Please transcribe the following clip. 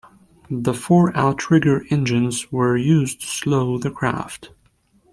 The four outrigger engines were used to slow the craft.